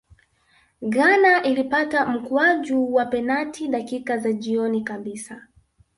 ghana ilipata mkwaju wa penati dakika za jioni kabisa